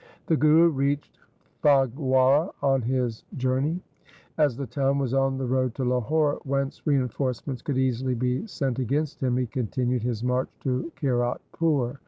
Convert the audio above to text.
The Guru reached Phagwara on his journey. As the town was on the road to Lahore, whence reinforce ments could easily be sent against him, he continued his march to Kiratpur.